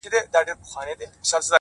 • نو گراني تاته وايم،